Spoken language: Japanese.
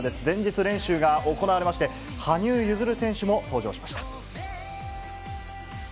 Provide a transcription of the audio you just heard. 前日練習が行われまして、羽生結弦選手も登場しました。